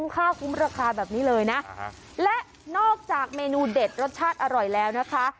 ก็ได้หมดนะ